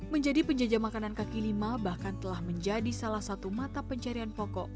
menjadi penjajah makanan kaki lima bahkan telah menjadi salah satu mata pencarian pokok